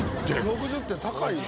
６０点高いよ。